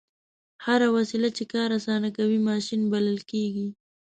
هره وسیله چې کار اسانه کوي ماشین بلل کیږي.